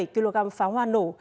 bảy mươi bảy kg phá hoa nổ